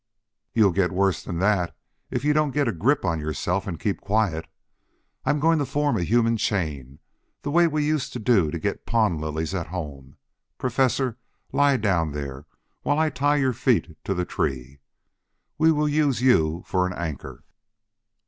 "You'll get worse than that if you don't get a grip on yourself and keep quiet. I'm going to form a human chain, the way we used to do to get pond lilies at home. Professor, lie down there, while I tie your feet to the tree. We will use you for an anchor."